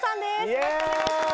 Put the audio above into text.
よろしくお願いします。